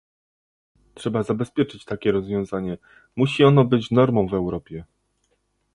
Trzeba zabezpieczyć takie rozwiązanie, musi ono być normą w Europie